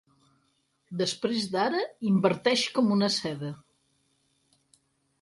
Després d'ara, inverteix com una seda.